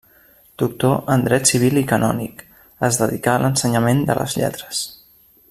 Doctor en dret civil i canònic, es dedicà a l'ensenyament de les lletres.